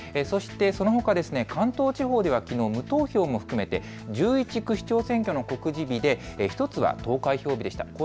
そしてそのほか、関東地方ではきのう無投票も含めて１１区市長選挙の告示日で１つは開票日でした。